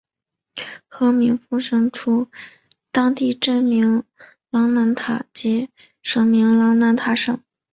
河名衍生出当地镇名琅南塔及省名琅南塔省。